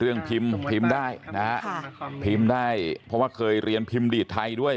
เรื่องพิมพ์พิมพ์ได้เพราะว่าเคยเรียนพิมพ์ดีทไทยด้วย